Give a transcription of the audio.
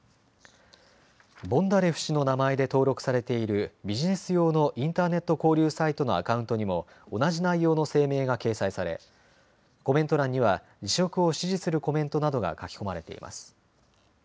ボンダレフ氏の名前で登録されているビジネス用のインターネット交流サイトのアカウントにも同じ内容の声明が掲載されコメント欄には辞職を支持するコメントなどが書き込まれています。